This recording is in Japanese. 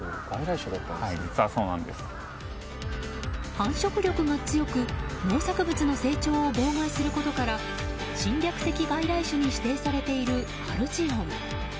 繁殖力が強く農作物の成長を妨害することから侵略的外来種に指定されているハルジオン。